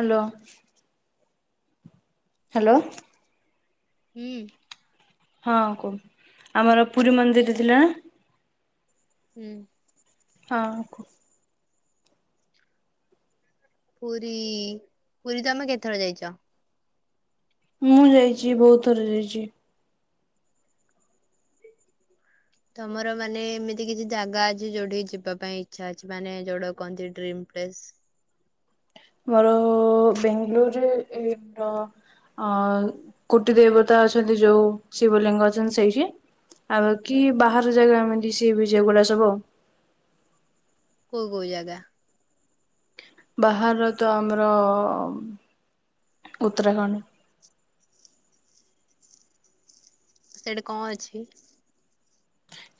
Hello. Hello. ଉଁ। ହଁ କୁ ଆମର ପୁରୀ ମନ୍ଦିର ଥିଲା ହୁଁ। ହଁ କୁ ପୁରୀ ପୁରୀ ତମେ କେତେଥର ଯାଇଚ? ମୁଁ ଯାଇଚି ବହୁତ ଥର ଯାଇଚି। ତମର ମାନେ ଏମିତି କିଛି ଜାଗା ଅଛି ଯୋଉଠି ଯିବା ପାଇଁ ଇଚ୍ଛା ଅଛି ମାନେ ଯୋଉଟା କୁହନ୍ତି ଡ୍ରିମ ପ୍ଲେସ୍। ମୋର ବ୍ୟାଙ୍ଗଲୋର ରେ ଏ ର ଅ କୋଟି ଦେବତା ଅଛନ୍ତି ଯୋଉ ଶିବଲିଙ୍ଗ ଅଛନ୍ତି ସେଇଠି ଆଉ ବାକି ବାହାରାରେ ଯାଗା ଏମିତି ସି ବିଜ ଏଗୁଡା ସବୁ ଆଉ। କୋଉ କୋଉ ଜାଗା? ବାହାରର ତ ଆମର ଉତ୍ତରାଖଣ୍ଡ ସେଇଠି କଣ ଅଛି?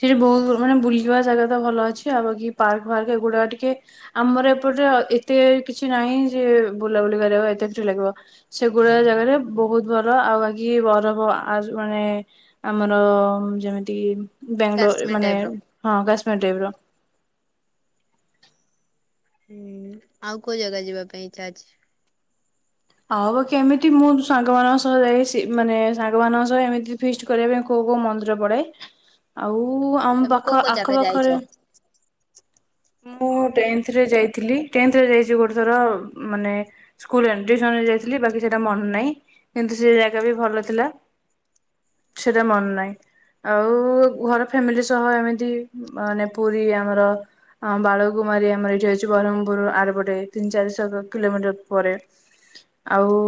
ସେଠି ବହୁତ ମାନେ ବୁଲିବା ଜାଗା ତ ଭଲ ଅଛି ଆଉ ବାକି ପାର୍କ ଫାର୍କ ଏଗୁଡା ଟିକେ ଆମର ଏପଟେ ଏତେ କିଛି ନାହିଁ ଯେ ବୁଲାବୁଲି କରିବାକୁ ଏତେ [unintelligible] ଲାଗିବ ସେଗୁଡା ଜାଗାରେ ବହୁତ ଭଲ ଆଉ ବାକି ବରଫ ଆ ମାନେ ଆମର ଯେମିତି ବ୍ୟାଙ୍ଗଲୋର ଏ କାଶ୍ମୀର ମାନେ ଟାଇପ୍ ର ହଁ [unintelligible] [unintelligible] ହୁଁ ଆଉ କୋଉ ଜାଗା ଯିବା ପାଇଁ ଇଚ୍ଛା ଅଛି? ଆଉ ବାକି ଏମିତି ମୁଁ ସାଙ୍ଗମାନଙ୍କ ସହ ଯାଇ ସେ ମାନେ ସାଙ୍ଗମାନଙ୍କ ସହ ଏମିତି ଫିଷ୍ଟ କରିବା ପାଇଁ କୋଉ କୋଉ ମନ୍ଦିର ପଡେ ଆଉ ଉ ଆମ ତମେ କୋଉ ପାଖ କୋଉ ଜାଗା ଯାଇଛ ଆଖପାଖରେ ମୁଁ ଟେନ୍ଥ ରେ ଯାଇଥିଲି ଟେନ୍ଥରେ ଯାଇଚି ଗୋଟେ ଥର ମାନେ ସ୍କୁଲ [unintelligible] ଯାଇଥିଲି ବାକି ସେଟା ମନେ ନାଇଁ। କିନ୍ତୁ ସେ ଜାଗା ବି ଭଲ ଥିଲା ସେଟା ମନ ନାଇଁ ଆଉ ଘର ଫ୍ୟାମିଲି ସହ ଏମିତି ମାନେ ପୁରୀ ଆମର ଅଁ ବାଳକୁମାରୀ ଆମର ଏଇଠି ଅଛି ବରହମପୁର ଆରପଟେ ତିନି ଚାରିଶହ କିଲୋମିଟର ପରେ ଆଉ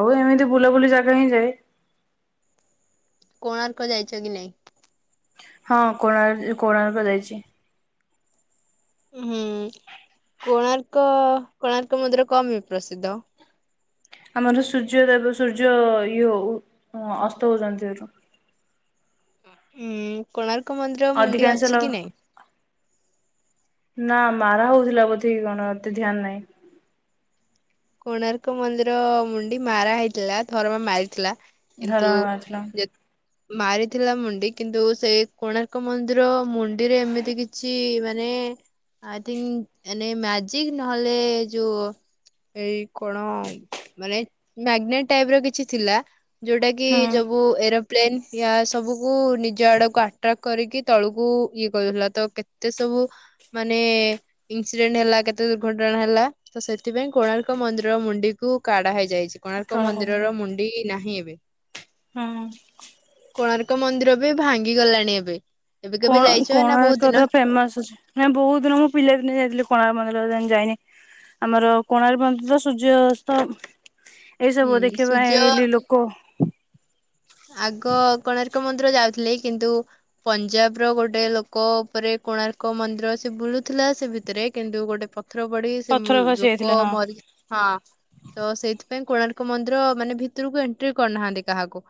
ଆଉ ଏମିତି ବୁଲାବୁଲି ଜାଗା ହିଁ ଯାଏ। କୋଣାର୍କ ଯାଇଚ କି ନାଇଁ? ହଁ କଣାର୍ କୋଣାର୍କ ଜାଇଚି। ହୁଁ କୋଣାର୍କ କୋଣାର୍କ ମୁନ୍ଦିର କଅଁ ମାଇଁ ପ୍ରସିଦ୍ଧ? ଆମର ସୂର୍ଯ୍ୟଦେବ ସୂର୍ଯ୍ୟ ଇଏ ଅସ୍ତ ହଉଛନ୍ତି ସେଠୁ। ହୁଁ କୋଣାର୍କ ମନ୍ଦିର ମୁଣ୍ଡି ଅଛି କି ଲୋକ ନାଇଁ? [inaudible] ନା ମାରା ହଉଥିଲା ବୋଧ କି କଣ ଏତେ ଧ୍ୟାନ ନାହିଁ। କୋଣାର୍କ ମନ୍ଦିର ମୁଣ୍ଡି ମାରା ହେଇଥିଲା ଧରମା ମାରିଥିଲା। ଧରମା ମାରିଥିଲା କିନ୍ତୁ ମାରିଥିଲା ମୁଣ୍ଡି କିନ୍ତୁ ସେ କୋଣାର୍କ ମନ୍ଦିର ମୁ ରେ ଏମିତି କିଛି ରେ ଆଇଥୀଙ୍କ ମାନେ ମ୍ୟାଜିକ ନହେଲେ ଯୋଉ ଏଇ କଣ ମାନେ ମ୍ୟାଗନେଟ ଟାଇପ ର କିଛି ଥିଲା ଯୋଉଟା କି ହୁଁ ଯବୁ ଏରବ ପ୍ଲେନ ୟା ସବୁକୁ ନିଜ ଆଡକୁ ଆଟ୍ରାକ୍ କରିକି ତଳକୁ ଇଏ କରୁଥିଲା। ତ କେତେ ସବୁ ମାନେ ଇନସିଡେଣ୍ଟ ହେଲା କେତେ ଦୁର୍ଘଟଣା ହେଲା ତ ସେଥିପାଇଁ କୋଣାର୍ ମନ୍ଦିର ର ମୁଣ୍ଡି କୁ କାଢା ହେଇଯାଇଛି। କୋଣାର୍କ ମନ୍ଦିରର ମୁଣ୍ଡି ନାହିଁ ଏବେ। [unintelligible] ହଁ। କୋଣାର୍କ ମନ୍ଦିର ବି ଭାଙ୍ଗିଗଲାଣି ଏବେ। ଏବେ କେବେ କଣ ଯାଇଛ ନା ବହୁତ କୋଣାର୍କ ଦିନ ତ ଫେମସ ଅଛି ମ ବହୁତ ଦିନ ମୁଁ ପିଲା ଦିନ ଯାଇଥିଲି କୋଣାର୍କ ମନ୍ଦିର ଯ ଯାଇନି। ଆମର କୋଣାର୍କ ବଞ୍ଚିତ ସୂର୍ଯ୍ୟ ଅସ୍ତ ହୁଁ ଏଇସବୁ ଦେଖିବା ସୂର୍ଯ୍ୟ ପାଇଁ ହେଇ ଲୋକ ଆଗ କୋଣାର୍କ ଯାଉଥିଲେ କିନ୍ତୁ ପଞ୍ଜାବର ଗୋଟେ ଲୋକ ଉପରେ କୋଣାର୍କ ମନ୍ଦିର ସେ ବୁଲୁଥିଲା ସେ ଭିତରେ କିନ୍ତୁ ଗୋଟେ ପଥର ପଡି ସେ ପଥର ଖସି ଲୋକ ଯାଇଥିଲା ହଁ ମରି ହଁ ତ ସେଇଥି ପାଇଁ କୋଣାର୍କ ମନ୍ଦିର ମାନେ ଭିତରକୁ ଏଣ୍ଟ୍ରି କରୁନାହାନ୍ତି କାହାକୁ।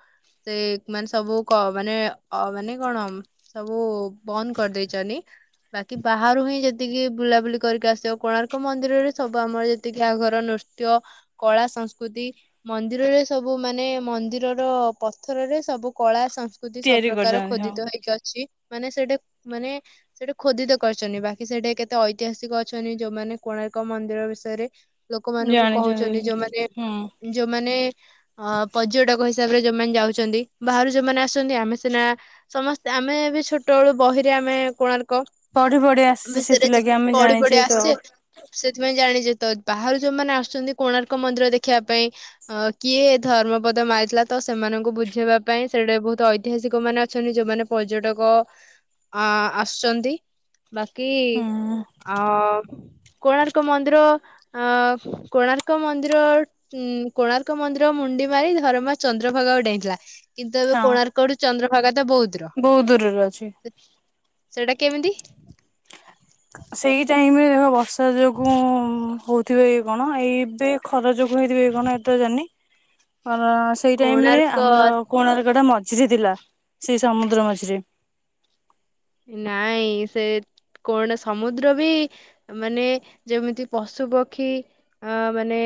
ସେ ମାନେ ସବୁ ମାନେ ଅ ମାନେ କଣ ସବୁ ବନ୍ଦ କରିଦେଇଛନ୍ତି। ବାକି ବାହାରୁ ହିଁ ଯେତିକି ବୁଲାବୁଲି କରିକି ଆସିବ କୋଣାର୍କ ମନ୍ଦିରରେ ସବୁ ଆମର ଯେତିକି ଆଘର ନୃତ୍ୟ କଳା ସଂସ୍କୃତି ମନ୍ଦିରରେ ସବୁ ମାନେ ମନ୍ଦିରର ପଥରରେ ସବୁ କଳା ସଂସ୍କୃତି ସବୁ ତିଆରି ପ୍ରକାର କରିଛନ୍ତି ହଁ ଖୋଦିତ ହେଇକି ଅଛି। ମାନେ ସେଟା ମାନେ ସେଟା ଖୋଦିତ କରିଛନ୍ତି। ବାକି ସେଟା କେତେ ଐତିହାସିକ ଅଛନ୍ତି ଯୋଉମାନେ କୋଣାର୍କ ମନ୍ଦିର ବିଷୟରେ ଲୋକମାନାନଙ୍କୁ ଜାଣିଛନ୍ତି କହୁଛନ୍ତି ହୁଁ ଯୋଉମାନେ ଯୋଉମାନେ ଅ ପର୍ଯ୍ୟଟକହି ତାପରେ ଯୋଉମାନେ ଯାଉଛନ୍ତି ବାହାରୁ ଯଉମାନେ ଆସୁଛନ୍ତି। ଆମେ ସିନା ସମସ୍ତେ ଆମେ ବି ଛୋଟବେଳୁ ବହିରେ ଆମେ କୋଣ ପଢି ପଢି ଆସିଛି ସେଥିଲାଗି ଆମେ ଜାଣିଛେ ତ ଯେ ତ ବାହାରୁ ଯୋଉମାନେ ଆସୁଛନ୍ତି କୋଣାର୍କ ମନ୍ଦିର ଦେଖିବା ପାଇଁ ଅ କିଏ ଧର୍ମପଦ ମାରିଥିଲା ତ ସେମାନଙ୍କୁ ବୁଝେଇବା ପାଇଁ ସେଡ଼ା ବହୁତ ଐତିହାସିକ ମାନେ ଅଛନ୍ତି ଯୋଉମାନେ ପର୍ଯ୍ୟଟକ ଅ ଆସୁଛନ୍ତି ବାକି ଅ କୋଣାର୍କ ମନ୍ଦିର ଅ କୋଣାର୍କ ମନ୍ଦିର କୋଣାର୍କ ମନ୍ଦିର ମୁଣ୍ଡି ମାରି ଧର୍ମା ଚନ୍ଦ୍ରଭାଗା କୁ ଡେଇଁଥିଲା। କିନ୍ତୁ ଏବେ ହଁ କୋଣାର୍କଡୁ ଚନ୍ଦ୍ର [inaudible] ସେଟା ବହୁତ ଦୂର ଦୂରରେ ଅଛି। ସେଟା କେମିତି? ସେଇ ଟାଇମରେ ହେବା ବର୍ଷା ଯୋଗୁଁ ହଉଥିବେ କି କଣ ଏବେ ଖରା ଯୋଗୁ ଭୁଆଁଇତିବା ଏ କଣ ଏତେ ଜାଣୀନି ର ସେଇ ଟାଇମରେ କୋଣାର୍କ ଆମର କୋଣାର୍କଟା ମଝ ମଝିରେ ଥିଲା ସେଇ ସମୁଦ୍ର ମଝିରେ ନାଇଁ ସେ କଣ ସମୁଦ୍ର ବି ମାନେ ଯେମିତି ପଶୁ ପକ୍ଷୀ ଅ ମାନେ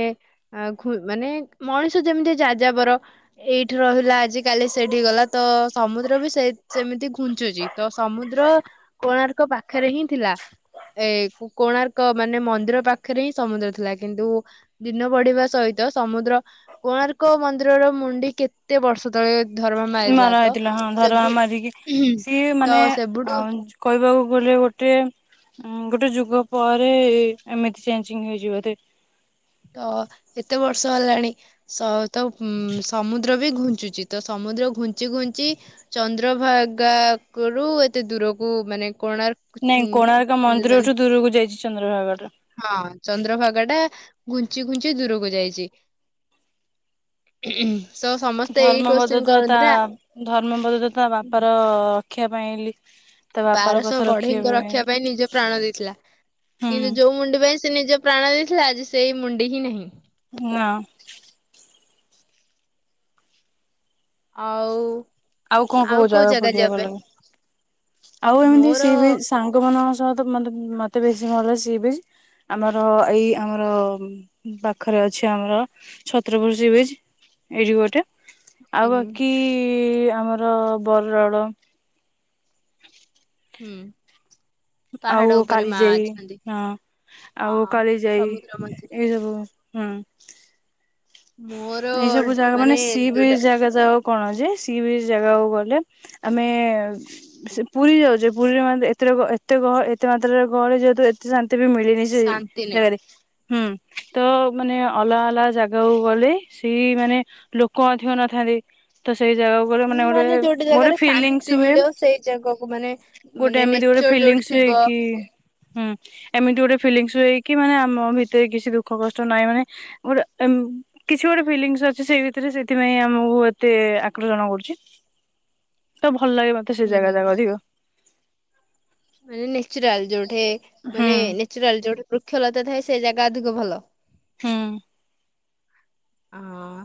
ମାନେ ମଣିଷ ଯେମିତି ଯାଜାାବର ଏଇଠି ରହିଲା ଆଜି କାଲି ସେଠି ଗଲା ତ ସମୁଦ୍ର ବି ସେ ସେମିତି ଘୁଞ୍ଚୁଛି ତ ସମୁଦ୍ର କୋଣାର୍କ ପାଖରେ ହିଁ ଥିଲା ଏ କୋଣାର୍କ ମାନେ ମନ୍ଦିର ପାଖରେ ହିଁ ସମୁଦ୍ର ଥିଲା କିନ୍ତୁ ଦିନ ବଢିବା ସହିତ ସମୁଦ୍ର କୋଣାର୍କ ମନ୍ଦିରର ମୁଣ୍ଡି କେତେ ବର୍ଷ ତଳେ ଧରମା ମାରିଥିଲା ମାରା ତ ହେଇଥିଲା ହଁ ଧରମା ସେବୁ ମାରିକି ସିଏ ମ ତ ମାନେ ସେବୁଠୁ ଆ କହିବାକୁ ଗଲେ ଗୋଟେ ଗୋଟେ ଯୁଗ ପରେ ଏମିତି ଚେଞ୍ଜିଙ୍ଗ ହେଇଛି ବଧେ ତ ଏତେ ବର୍ଷ ହେଲାଣି ସ ତ ସମୁଦ୍ର ବି ଘୁଞ୍ଚୁଛି ତ ସମୁଦ୍ର ଘୁଞ୍ଚି ଘୁଞ୍ଚି ଚନ୍ଦ୍ରଭାଗାକୁ ରୁ ଏତେ ଦୂରକୁ ମାନେ କୋଣାର୍କ ଉଁ, ନାଇଁ କୁ- କୋଣାର୍କ ଉଁ, ମନ୍ଦିର ମାନେ ଠୁ ଦୂରକୁ ଯାଇଛି ଚନ୍ଦ୍ରଭାଗା ରେ ହଁ ଚନ୍ଦ୍ରଭାଗା ଟା ଘୁଞ୍ଚି ଘୁଞ୍ଚି ଦୂରକୁ ଯାଇଛି ତ ସମସ୍ତେ ଏଇ ଧର୍ମପଦ କୋଶ୍ଚିନ୍ ତ ତା କରନ୍ତି ନା ଧର୍ମପଦ ତା ବାପାର ଖିଆ ପାଇଁ ଆଇଲି ବାରଶହ ବଢେଇଙ୍କ ରଖିବା ପାଇଁ ନିଜେ ପ୍ରାଣ ଦେଇଥିଲା କିନ୍ତୁ ଯୋଉ ହୁଁ ମୁଣ୍ଡି ପାଇଁ ସେ ନିଜ ପ୍ରାଣ ଦେଇଥିଲା ଆଜି ସେଇ ମୁଣ୍ଡି ହିଁ ନାହିଁ ନାଁ ଆଉ ଆଉ କଣ କଉ କୋଉ ଜାଗା ପଡିବା ଯିବା ଭଲ ପାଇଁ ଲାଗେ ଆଉ ଏମିତି ମୋର ସିଏ ବି ସାଙ୍ଗ ମାନ ତ ତ ମତେ ମତେ ବେଶୀ ଭଲ ଲାଗେ ସି ବିଚ୍ ଆମର ଏଇ ଆମର ପାଖରେ ଅଛି ଆମର ଛତ୍ରପୁର ସି ବିଚ୍ ଏଇଠି ଗୋଟେ ହୁଁ ଆଉ ବାକି ଇ ଆମର ବରଡ଼ଳ ହୁଁ ଆଉ ପାହାଡ ଉପରେ କାଳି ମା ଯାଇ ଅଛନ୍ତି ହଁ ଆଉ ହଁ କାଳି ଯାଇ ସମୁଦ୍ର ମଝିରେ ଏ ସବୁ ହୁଁ ମୋର ଏଇ ସବୁ ଜାଗା ମାନେ ସିଏ ବି ଜାଗା ଯାଉ କଣ ଯେ ସିଏ ବିଚ୍ ଜାଗାକୁ ଗଲେ ଆମେ ପୁରୀ ଯାଉଛେ ପୁରୀରେ ମ ଏତେ ଏତେହ ଏତେ ମାତ୍ରାରେ ଗହଳି ଯେହେତୁ ଏତେ ଶାନ୍ତି ତେଵେ ମିଳିନି ସେ ଶାନ୍ତି ଜାଗା ରେ ହୁଁ ତ ମାନେ ଅଲଗ ଅଲଗ ଜାଗାକୁ। ଗଲେ ସେ ମାନେ ଲୋକ ଅଧିକ ନଥାନ୍ତି ତ ସେ ଜାଗା ଗ ନାହିଁ ମାନେ ଗୋ ଯୋଉଟା ଗୋଟେ ଜାଗାରେ ଫ ଶାନ୍ତି ହୁଏ ମିଳିବ ସେଇ ଜାଗାକୁ ମାନେ ମାନେ ଗୋଟେମିତି ଗୋଟେ ଫ ନେଚର ହୁଏ ଯୋଉଠି ଥିବ କିମି ଗୋଟେ ଫିଲିଂଶ ମାନେ ଆମ ଭିତରେ କିଛି ଦୁଃଖ କଷ୍ଟ ନହିଁ ମାନେ ଗୋଟେ। କିଛି ଗୋଟେ ଫିଲଙ୍ଗସ ଅଛି ସେଇ ଭିତରେ ସେଥିପାଇଁ ଆମକୁ ଏତେ ଆକର୍ଷଣ କରୁଛି ତ। ଭଲ ଲାଗେ ମତେ ସେ ଜାଗା ହୁଁ ଜାଗା ଅଧିକ ମାନେ ନେଟୁରଲ ଯୋଉଟା। ମା ହୁଁ ମାନେ ନେଚୁରାଲ ଯୋ ଖେଳତ ଥାଏ ସେ ଜାଗା ଅଧିକ ଭଲ। ହଁ ହଁ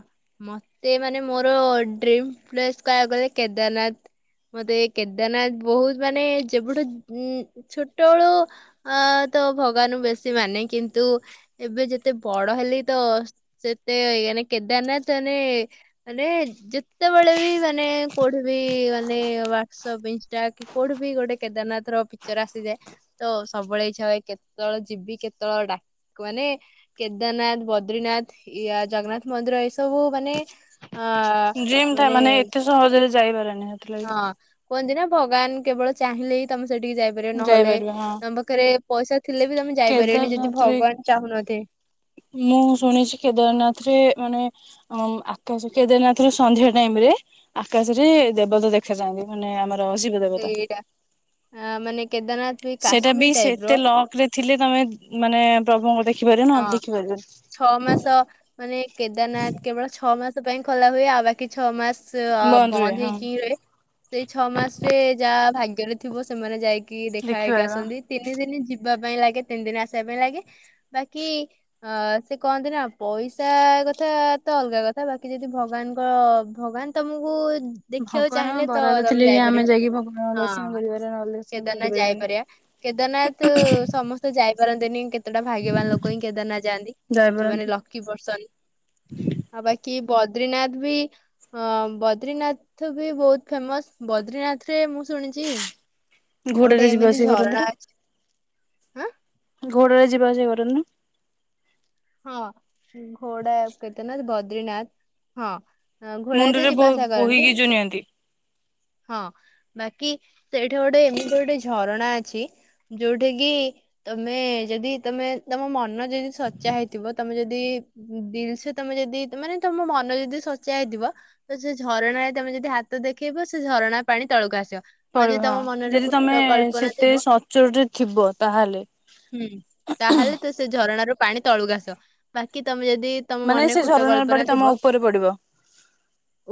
ମତେ ମାନେ ମୋର ଡ୍ରିମ ପ୍ଲେସ୍ କହିବାକୁ ଗଲେ କେଦାରନାଥ ମତେ କେଦାରନାଥ ବହୁତ ମାନେ ଯେବଠୁ ଛୋଟବେେଳୁ ତ ଭଗବାନ ବେଶୀ ମାନେ କିନ୍ତୁ ଏବେ ଯେତେ ବଡ ହେଲେ ତ ସେ ଏତେଇ ମାନେ କେଦାରନାଥ ମାନେ ମାନେ ଯେତେବେଳେ ବି ମାନେ କୋଉଠି ବି ମାନେ ହାଟସପ୍ ଇନଷ୍ଟା କୋଉଠି ବି ଗୋଟେ କେଦାରନାଥ ର ପିକଚର ଆସିଯାଏ ତ ସବୁବେଳେ ଇଚ୍ଛା ହୁଏ କେତେବେଳେ ଯିବି କେତେବେଳେ ଡା ମାନେ କେଦାରନାଥ ବଦ୍ରିନାଥ ୟା ଜଗନ୍ନାଥ ମନ୍ଦିର ଏଇ ସବୁ ମାନେ ଅ ଡ୍ରେଅମ ମାନେ ଏତେ ସହଜରେ। ଯାଇପାରେ। ହଁ କୁହନ୍ତି ନା। ଭଗବାନ କେବଳ ଚାହିଁଲେ ହିଁ ତମେ। ସେଠିକି ଯାଇପାରିବ ନହେଲେ ତମ ପାଖରେ। ପଇସା ଥିଲେ ବି ତମେ ଯାଇପାରିବନି ଯଦି କେଦାରନାଥ ରେ ଭଗବାନ ଚାହୁଁନଥିବେ ମୁଁ ଶୁଣିଛି କେଦାରନାଥରେ ମାନେ। ଆକାଶ କେଦାରନାଥ ର ସନ୍ଧ୍ୟା ଟାଇମ ରେ ଆକାଶରେ ଦେବତା ଦେଖାଯାନ୍ତି ମାନେ ଆମର। ଶିବ ଦେବତା ସେଇଟା ମାନେ କେଦାରନାଥ ବି ସେଇଟା କାଶ୍ମୀର ଟାଇପ ର। ସେତେ ଲକ ରେ ଥିଲେ ଏତେ ତମେ ମାନେ ପ୍ରଭୁ ଙ୍କୁ ଦେଖିପାରିବେ ହଁ ନ ଛଅ ଦେଖିପାରିବ। ମାସ ମାନେ କେଦାରନାଥ କେବଳ ଛଅ ମାସ। ପାଇଁ ଖୋଲା ହୁଏ ଆଉ ବାକି ଛଅ ମାସ ରୁହେ ବନ୍ଦ ହଁ। ହେଇକି ରହ ସେଇ ଛଅ ମାସ ରେ ଯାହା ଭାଗ୍ୟ ରେ ଥିବ ସେମାନେ ଯାଇକି। ଦେଖା ହେଇକି ଦେଖିପାରିବା। ଆସନ୍ତି ତିନି ଦିନ ଯି ଯିବା ପାଇଁ ଲାଗେ ତିନି ଦିନ ଆସିବା ପାଇଁ ଲାଗେ। ବାକି ଅ ସେ କହନ୍ତି ନା ପଇସା କଥା ତ ଅଲଗା କଥା ବାକି ଯଦି ଭଗବାନଙ୍କ ଭଗବାନ ତମକୁ ଦେଖିବାକୁ ଭଗବାନ ଚାହିଁଲେ ତ ବରାଦ ତମେ ଥିଲେ ହିଁ ଆମେ ଯାଇପାରିବ ଯାଇକି ଭଗବାନଙ୍କ ଦର୍ଶନ ହଁ କରିପାରିବା ନହେଲେ ଦର୍ଶନ କେଦାରନାଥ କରିପାରିବାନି। ଯାଇପାରିବା କେଦାରନାଥ ସମସ୍ତେ ଯାଇ। ବାର ଦେନି କେତେ? ଲୋକ ହିଁ କେଦାରନାଥ ଯାଆନ୍ତି ଯୋଉମାନେ ଯାଇପାରନ୍ତି ଲକି ପରସନ ଆଉ ବାକି। ବଦ୍ରିନାଥ ବି ଅ ବଦ୍ରିନାଥ ବି ବହୁତ ଫେମସ ବଦ୍ରିନାଥରେ ମୁଁ ଶୁଣିଛି ଗୋଟେ ଘୋଡାରେ ଯିବା ଏମିତି ଆସିବା ଝରଣା କରନ୍ତି ନାଁ? ଅଛି ଆଁ? ଘୋଡରେ ଯିବା ଆସିବା କରନ୍ତି ନାଁ? ହଁ। ଉଁ ଘୋଡ଼ା କେତେ ନା ବ ବଦ୍ରିନାଥ ହଁ ଘୋଡାରେ ତ ମୁଣ୍ଡରେ ବୋ ଯିବା ଆସିବା କରନ୍ତି ବୋହିକି ଯୋଉ ନିଅନ୍ତି। ହଁ ବାକି ସେଇଠି ଗୋଟେ ଏମିତି ଗୋଟେ ଝରଣା ଅଛି ଯୋଉଠି କି ତମେ ଯଦି ତମେ ତମ ମନ ଯଦି ସ ସଚା ହେଇଥିବ ତମେ ଯଦି ଦିଲସେ ତମେ ଯଦି ମାନେ ତମ ମନ ଯଦି ସଚା ହେଇଥିବ ତ ସେ ଝରଣାରେ ତମେ ଯଦି ହାତ ଦେଖେଇବ ସେ ଝରଣା ପାଣି ତଳକୁ ଆସିବ। ଆଉ ପଳିବ ଯଦି ହଁ ତମ ମନରେ ଯଦି ତମେ କୁଟ କଳ୍ପନା ସେତେ ଥିବ ସଚୋଟରେ ଥିବ ତାହେଲେ। ହୁଁ ତାହେଲେ ତ ସେ ଝରଣାରୁ ପାଣି ତଳୁକୁ ଆସିବ ବାକି ତମେ ଯ ଯଦି ତମ ମାନେ ମନରେ ସେ କୁଟ ଝରଣାର କଳ୍ପନା ପାଣି ତମ ଥିବ ଉପରେ ପଡିବ।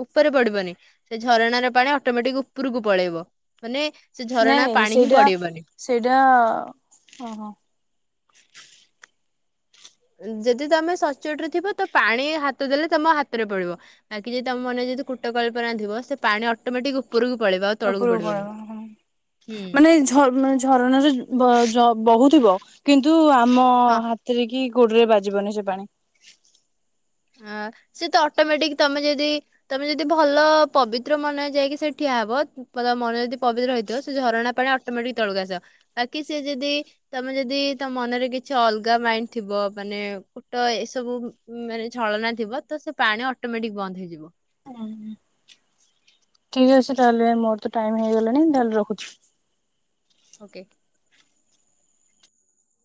ଉପରେ ପଡ଼ିବନି ସେ ଝରଣାର ପାଣି ଅଟୋମେଟିକ ଉପୁରୁକୁ ପଳେଇବ ମାନେ ସେ ନାଇଁ ଝରଣା ନାଇଁ ପାଣି ହିଁ ସେଇଟା ପଡିବନି ସେଇଟା ଓହୋ ଯଦି ତମେ ସଚୋଟରେ ଥିବ ତ ପାଣି ହାତ ଦେଲେ ତମ ହାତରେ ପଡ଼ିବ ବାକି ଯଦି ତମ ମନରେ ଯଦି କୁଟ କଳ୍ପନା ଥିବ ସେ ପାଣି ଅଟୋମେଟିକ ଉପରୁକୁ ଉପରୁକୁ ପଳେଇବ ହଁ। ହୁଁ ମାନେ ଏଇ ଝ ମାନେ ଝରଣାର ବ ଜ ବହୁତ ବ କିନ୍ତୁ ଆ ଆମ ହଁ ହାତରେ କି ଗୋଡରେ ବାଜିବନି ସେ ପାଣି ଅଆ ସେ ତ ଅଟୋମେଟିକ ତମେ ଯେଦି ତମେ ଯେଦି ଭଲ ପବିତ୍ର ମନରେ ଯାଇକି ସେଇଠି ଠିଆ ହବ ପ ତ ମନ ଯଦି ପବିତ୍ର ହେଇଥିବ ସେ ଝରଣା ପାଣି ଅଟମେଟିକ ତଳକୁ ଆସ। ବାକି ସେ ଯଦି ତମେ ଯଦି ତମ ମନରେ କିଛି ଅଲଗା ମାଇଣ୍ଡ ଥିବ ମାନେ କୁଟ ଏସବୁ ମାନେ ଛଳନା ଥିବ ତ ସେ ପାଣି ଅଟୋମେଟିକ ବନ୍ଦ ହେଇଯିବ‌। ଠିକ୍ ଅଛି ତାହେଲେ ମୋର ତ ଟାଇମ ହେଇଗଲାଣି ତାହେଲେ ରଖୁଛି। ଓକେ